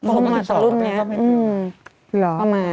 ป๖มาต่อรุ่นนี้